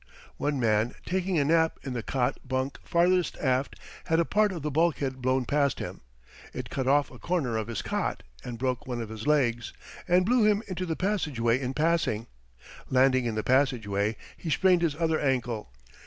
One man taking a nap in the cot bunk farthest aft had a part of the bulkhead blown past him. It cut off a corner of his cot and broke one of his legs, and blew him into the passageway in passing. Landing in the passageway he sprained his other ankle.